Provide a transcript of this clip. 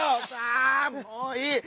あもういい！